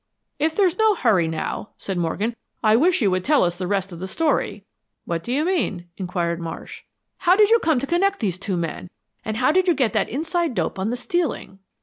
"If there's no hurry now," said Morgan, "I wish you would tell us the rest of the story." "What do you mean?" inquired Marsh. "How did you come to connect these two men, and how did you get that inside dope on the stealing?"